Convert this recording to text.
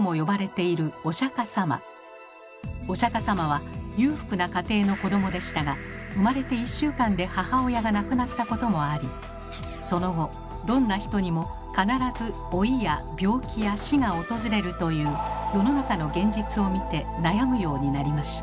お釈様は裕福な家庭の子供でしたが生まれて１週間で母親が亡くなったこともありその後どんな人にも必ず老いや病気や死が訪れるという世の中の現実を見て悩むようになりました。